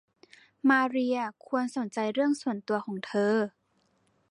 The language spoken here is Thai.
มาเรียควรสนใจเรื่องส่วนตัวของเธอ